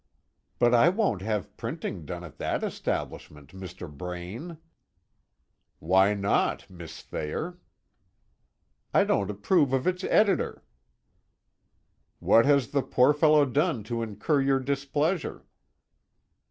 "But I won't have printing done at that establishment, Mr. Braine." "Why not, Miss Thayer?" "I don't approve of its editor." "What has the poor fellow done to incur your displeasure?"